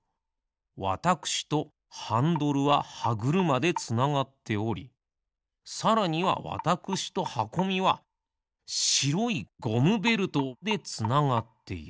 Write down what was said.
わたくしとハンドルははぐるまでつながっておりさらにはわたくしとはこみはしろいゴムベルトでつながっている。